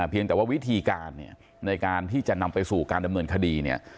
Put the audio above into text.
เพียงแต่ว่าวิธีการในการที่จะนำไปสู่การดำเนินคดี